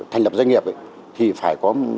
thành lập doanh nghiệp thì phải có